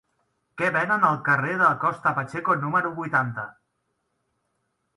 Què venen al carrer de Costa Pacheco número vuitanta?